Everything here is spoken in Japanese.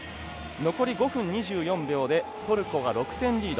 前半残り５分２４秒トルコが６点リード。